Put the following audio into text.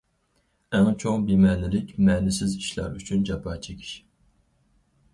ئەڭ چوڭ بىمەنىلىك- مەنىسىز ئىشلار ئۈچۈن جاپا چېكىش.